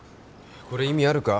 これ意味あるか？